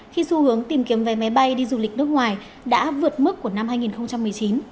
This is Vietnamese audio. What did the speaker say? khi xu hướng tìm kiếm vé máy bay đi du lịch nước ngoài đã vượt mức của năm hai nghìn một mươi chín